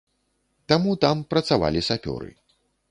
Таму там працавалі сапёры.